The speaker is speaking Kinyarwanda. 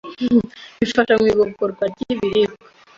Bifasha mu igogorwa ryibiribwa